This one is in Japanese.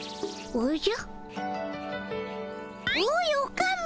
おじゃ。